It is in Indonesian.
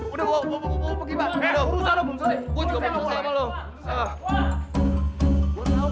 udah gua pergi pak